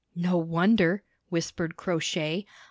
"No wonder," whispered Crow Shay.